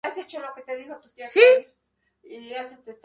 Entonces hice 'Yendo de la cama al living', y eso le gustó".